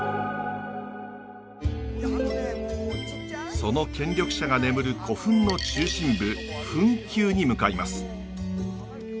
その権力者が眠る古墳の中心部墳丘に向かいます。